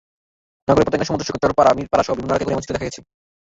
নগরের পতেঙ্গা সমুদ্রসৈকত, চরপাড়া, মিরাপাড়াসহ বিভিন্ন এলাকা ঘুরে এমন চিত্র দেখা গেছে।